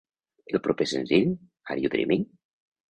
El proper senzill "Are You Dreaming?"